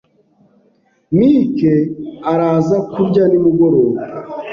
Mike araza kurya nimugoroba.